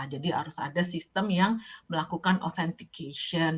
jadi harus ada sistem yang melakukan authentication